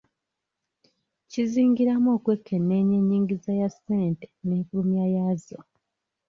Kizingiramu okwekenneenya ennyingiza ya ssente n'enfulumya yaazo.